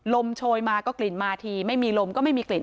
โชยมาก็กลิ่นมาทีไม่มีลมก็ไม่มีกลิ่น